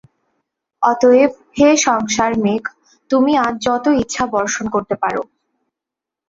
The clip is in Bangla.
অতএব হে সংসার-মেঘ, তুমি আজ যত ইচ্ছা বর্ষণ করতে পার।